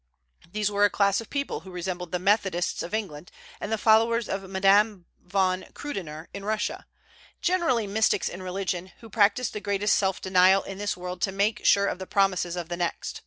These were a class of people who resembled the Methodists of England, and the followers of Madam von Krüdener in Russia, generally mystics in religion, who practised the greatest self denial in this world to make sure of the promises of the next.